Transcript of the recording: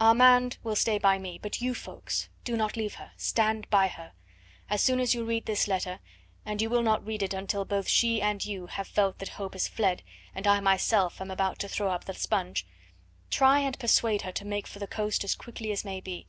Armand will stay by me but you, Ffoulkes, do not leave her, stand by her. As soon as you read this letter and you will not read it until both she and you have felt that hope has fled and I myself am about to throw up the sponge try and persuade her to make for the coast as quickly as may be....